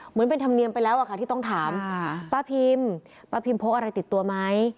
เหมือนเป็นธรรมเนียมไปแล้วอะค่ะที่ต้องถามป้าพิมป้าพิมพกอะไรติดตัวไหม